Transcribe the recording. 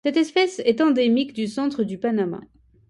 Cette espèce est endémique du centre du Panama.